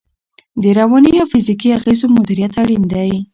د رواني او فزیکي اغېزو مدیریت اړین دی.